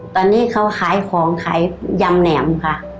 ตอนนี้เขาขายของขายยำแหนมค่ะ